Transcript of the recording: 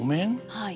はい。